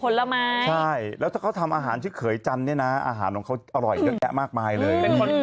ผลไม้ใช่แล้วถ้าเขาทำอาหารชื่อเขยจันทร์เนี่ยนะอาหารของเขาอร่อยเยอะแยะมากมายเลย